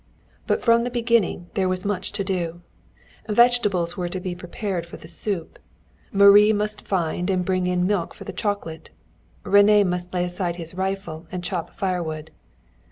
But from the beginning there was much to do. Vegetables were to be prepared for the soup, Marie must find and bring in milk for the chocolate, René must lay aside his rifle and chop firewood.